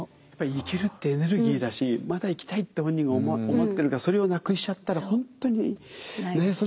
やっぱり生きるってエネルギーだしまだ生きたいって本人が思ってるかそれをなくしちゃったら本当にねえ？